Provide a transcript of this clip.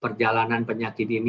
perjalanan penyakit ini